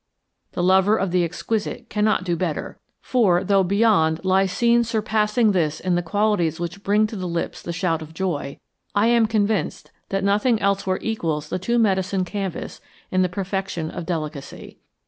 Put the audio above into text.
The lover of the exquisite cannot do better, for, though beyond lie scenes surpassing this in the qualities which bring to the lips the shout of joy, I am convinced that nothing elsewhere equals the Two Medicine canvas in the perfection of delicacy.